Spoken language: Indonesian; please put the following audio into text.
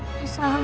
salam jalan cepetan